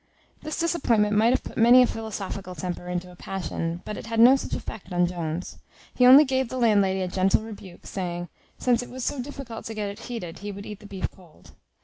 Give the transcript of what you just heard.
This disappointment might have put many a philosophical temper into a passion; but it had no such effect on Jones. He only gave the landlady a gentle rebuke, saying, "Since it was so difficult to get it heated he would eat the beef cold."